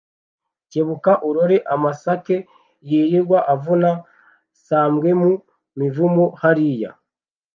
Kebuka urore amasakeYirirwa avuna sambweMu mivumu hariya!